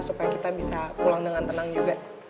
supaya kita bisa pulang dengan tenang juga